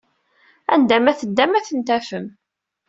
Anda ma teddam, ad ten-tafem.